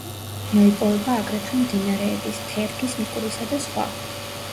მოიპოვება აგრეთვე მდინარეების თერგის, მტკვრისა და სხვა.